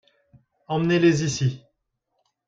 Emmenez-les ici.